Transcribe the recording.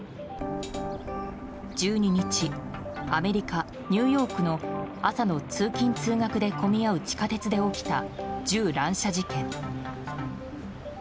１２日アメリカ・ニューヨークの朝の通勤・通学で混み合う地下鉄で起きた銃乱射事件。